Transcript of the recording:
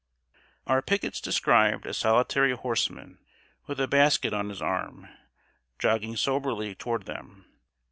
"] Our pickets descried a solitary horseman, with a basket on his arm, jogging soberly toward them.